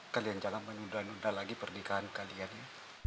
kalian jangan menunda nunda lagi pernikahan kalian